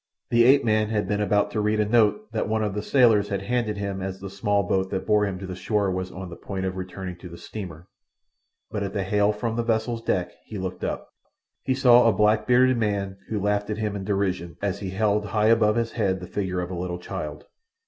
The ape man had been about to read a note that one of the sailors had handed him as the small boat that bore him to the shore was on the point of returning to the steamer, but at the hail from the vessel's deck he looked up. He saw a black bearded man who laughed at him in derision as he held high above his head the figure of a little child.